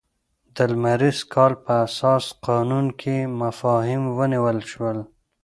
د لمریز کال په اساسي قانون کې مفاهیم ونیول شول.